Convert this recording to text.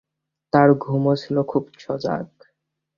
তাঁর ঘুমও ছিল খুব সজাগ।